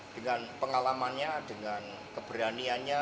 dengan pengalamannya dengan keberaniannya